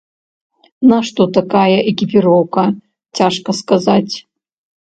Нашто такая экіпіроўка, цяжка сказаць.